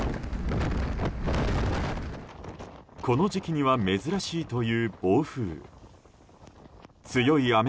この時期には珍しいという暴風雨。